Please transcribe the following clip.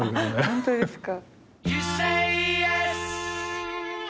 ホントですか。